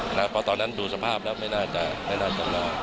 เพราะตอนนั้นดูสภาพแล้วไม่น่าจะรอ